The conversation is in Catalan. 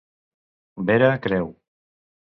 Vera Creu.